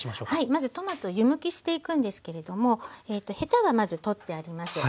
まずトマト湯むきしていくんですけれどもヘタはまず取ってあります。